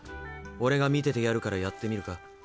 オレが見ててやるからやってみるか？